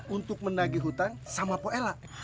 untuk menagih hutang sama po ella